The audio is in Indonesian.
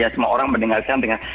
semua orang mendengarkan lagu